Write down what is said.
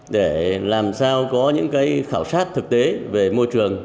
để làm sao có những khảo sát thực tế về môi trường